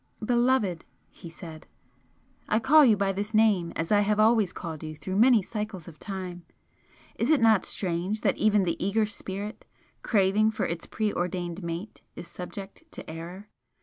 "Beloved!" he said "I call you by this name as I have always called you through many cycles of time! Is it not strange that even the eager spirit, craving for its preordained mate, is subject to error?